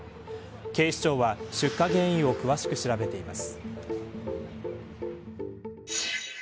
警視庁は、出火原因を詳しく調べています。